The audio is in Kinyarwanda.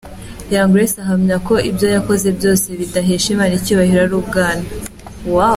Young Grace ahamya ko ibyo yakoze byose bidahesha Imana icyubahiro ari ubwana.